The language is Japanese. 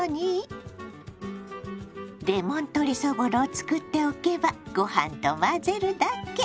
レモン鶏そぼろを作っておけばご飯と混ぜるだけ！